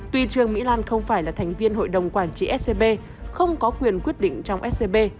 tuy trương mỹ lan không phải là thành viên hội đồng quản trị scb không có quyền quyết định trong scb